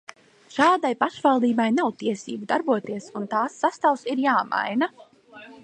Šādai pašvaldībai nav tiesību darboties, un tās sastāvs ir jāmaina.